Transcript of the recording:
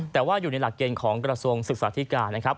แต่ว่าอยู่ในหลักเกณฑ์ของกระทรวงศึกษาธิการนะครับ